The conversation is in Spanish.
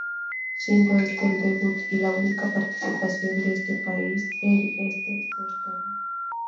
Siendo este el debut y la única participación de este país en este certamen.